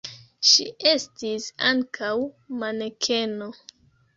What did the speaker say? Ŝi estis ankaŭ manekeno.